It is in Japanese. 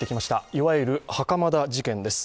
いわゆる袴田事件です。